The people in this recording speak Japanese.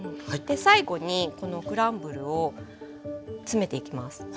最後にこのクランブルを詰めていきます。